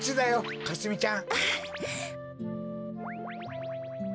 かすみちゃん